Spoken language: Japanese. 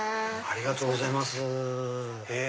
ありがとうございます。